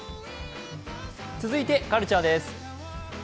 続いてカルチャーです。